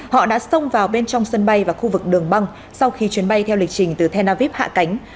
họ đã xông vào bên trong sân bay và khu vực đường băng sau khi chuyến bay theo lịch trình từ tel aviv hạ cánh